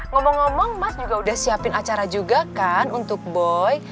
ngomong ngomong mas juga udah siapin acara juga kan untuk boy